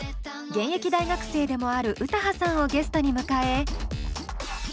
現役大学生でもある詩羽さんをゲストに迎え。